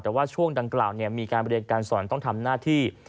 แต่ว่าช่วงดังกล่าวมีการเรียนการสอนต้องทำหน้าที่